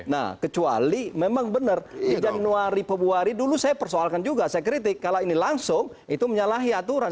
nah kecuali memang benar di januari februari dulu saya persoalkan juga saya kritik kalau ini langsung itu menyalahi aturan